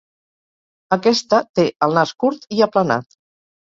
Aquesta té el nas curt i aplanat.